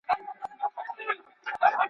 له ازله د خپل ځان په وینو رنګ یو.